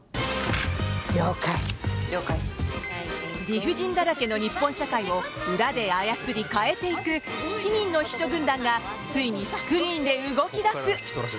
理不尽だらけの日本社会を裏で操り、変えていく７人の秘書軍団がついにスクリーンで動き出す！